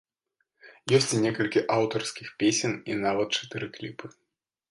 Ёсць і некалькі аўтарскіх песень і нават чатыры кліпы.